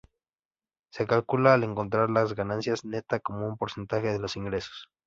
Se calcula al encontrar la ganancia neta como un porcentaje de los ingresos.